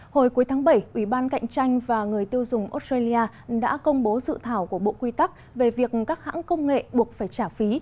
hồi cuối tháng bảy ủy ban cạnh tranh và người tiêu dùng australia đã công bố dự thảo của bộ quy tắc về việc các hãng công nghệ buộc phải trả phí